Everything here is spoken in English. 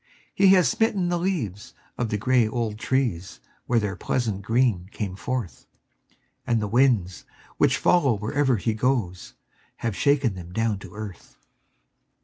He has smitten the leaves of the gray old trees where their pleasant green came forth, And the winds, which follow wherever he goes, have shaken them down to earth.